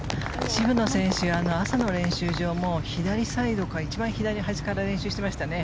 渋野選手、朝の練習場も左サイド、一番左端から練習してましたね。